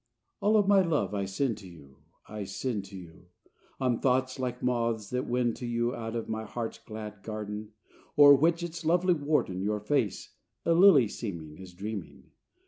VI All of my love I send to you, I send to you, On thoughts, like moths, that wend to you Out of my heart's glad garden, O'er which, its lovely warden, Your face, a lily seeming, Is dreaming.